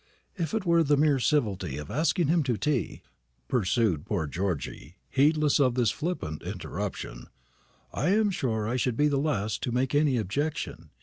"If it were the mere civility of asking him to tea," pursued poor Georgy, heedless of this flippant interruption, "I'm sure I should be the last to make any objection.